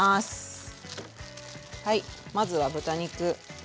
はいまずは豚肉。